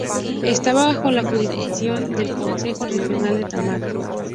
Esta bajo la jurisdicción del Concejo Regional de Tamar.